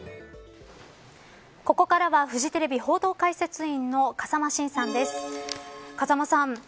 ここからはフジテレビ報道解説委員の風間晋さんです。